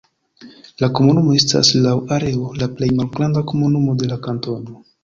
La komunumo estas laŭ areo la plej malgranda komunumo de la kantono.